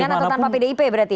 atau tanpa pdip berarti